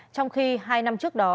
trong khi hai năm trước đó